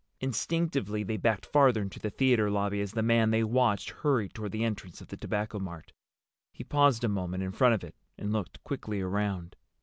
Instinctively they backed farther into the theater lobby as the man they watched hurried toward the entrance of the Tobacco Mart. He paused a moment in front of it and looked quickly around.